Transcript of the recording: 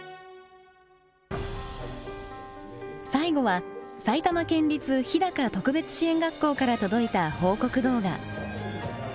最後は埼玉県立日高特別支援学校から届いた報告動画。